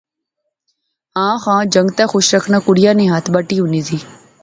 ہاں خاں، جنگتے خوش رکھنا کڑیا نی ہتھ بٹی ہونی